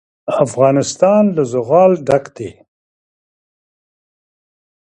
افغانستان له زغال ډک دی.